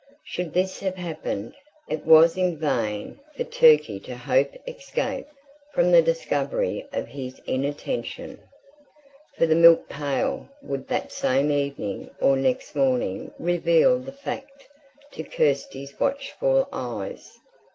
Should this have happened, it was in vain for Turkey to hope escape from the discovery of his inattention, for the milk pail would that same evening or next morning reveal the fact to Kirsty's watchful eyes.